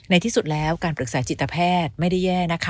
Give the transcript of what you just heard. ที่สุดแล้วการปรึกษาจิตแพทย์ไม่ได้แย่นะคะ